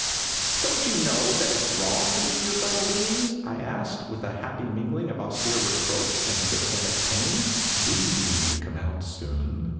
" Don't you know that it is wrong to eat your fellow beings ?" I asked, with a happy mingling of austere reproach and sympathetic pain. " Do you mean to come out soon